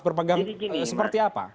berpegang seperti apa